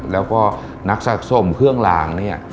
แล้วก็นักสะสมเครื่องลางเนี่ย